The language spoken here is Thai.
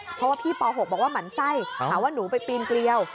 เพราะว่าพี่ป๖บอกว่าหมั่นไส้หาว่าหนูไปปีนเกลียว